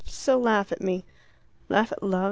So laugh at me." "Laugh at love?"